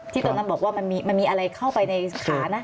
ตอนนั้นบอกว่ามันมีอะไรเข้าไปในขานะ